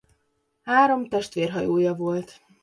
Három testvérhajója volt.